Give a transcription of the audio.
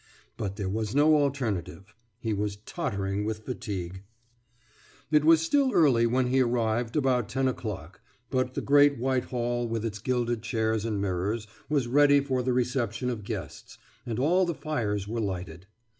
But there was no alternative. He was tottering with fatigue. It was still early when he arrived, about ten o'clock; but the great white hall with its gilded chairs and mirrors was ready for the reception of guests, and all the fires were lighted.